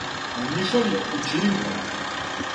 На Нишави у ћилимграду.